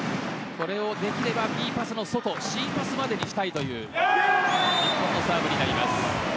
これをできればＢパスの外Ｃパスまでにしたいという日本のサーブになります。